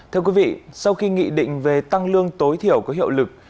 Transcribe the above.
thưa quý vị sau khi nghị định về tăng lương tối thiểu có hiệu lực